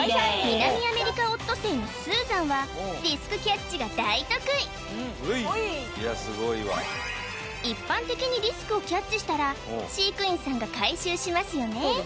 ミナミアメリカオットセイのスーザンはディスクキャッチが大得意一般的にディスクをキャッチしたら飼育員さんが回収しますよね